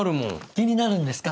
気になるんですか？